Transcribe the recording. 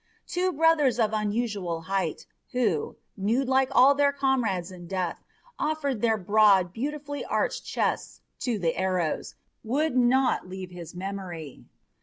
Two brothers of unusual height, who, nude like all their comrades in death, offered their broad, beautifully arched chests to the arrows, would not leave his memory.